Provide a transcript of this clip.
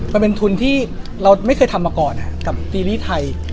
มันเป็นทุนที่เราไม่เคยทำมาก่อนกับซีรีส์ไทย